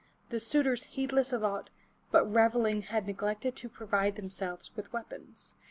the suitors heedless of aught but reveling had neglected to provide themselves with weapons.